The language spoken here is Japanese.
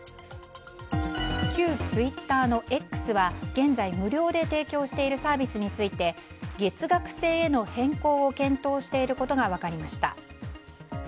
旧ツイッターのＸは、現在無料で提供しているサービスについて月額制への変更を検討していることが分かりました。